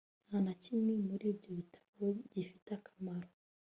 nta na kimwe muri ibyo bitabo gifite akamaro